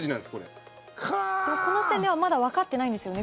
この時点ではまだわかってないんですよね？